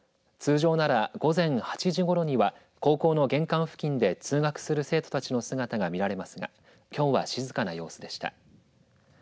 通常なら午前８時ごろには高校の玄関付近で通学する生徒たちの姿が見られますがきょうは静かな様子でした。